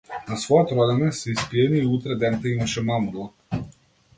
На својот роденден се испијани и утредента имаше мамурлак.